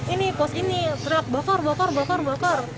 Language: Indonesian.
ini pos ini teriak bakar bakar bakar bakar